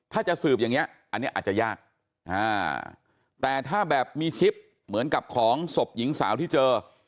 ถ้าจะสืบอย่างนี้อันนี้อาจจะยากแต่ถ้าแบบมีชิปเหมือนกับของศพหญิงสาวที่เจอ